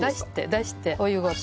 出してお湯ごと。